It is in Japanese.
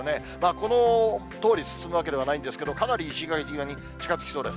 このとおり進むわけではないんですけれども、かなり石垣島に近づきそうです。